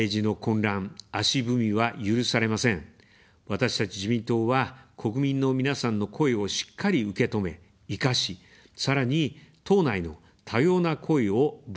私たち自民党は、国民の皆さんの声をしっかり受け止め、活かし、さらに、党内の多様な声をぶつけ合います。